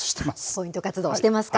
ポイント活動、してますか。